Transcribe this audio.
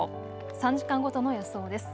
３時間ごとの予想です。